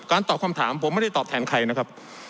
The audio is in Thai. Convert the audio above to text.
ตอบคำถามผมไม่ได้ตอบแทนใครนะครับ